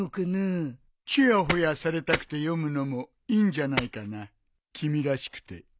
ちやほやされたくて読むのもいいんじゃないかな君らしくて。